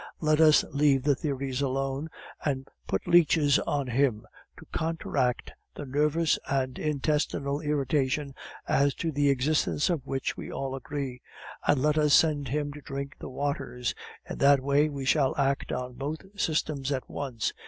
Let us leave theories alone, and put leeches on him, to counteract the nervous and intestinal irritation, as to the existence of which we all agree; and let us send him to drink the waters, in that way we shall act on both systems at once.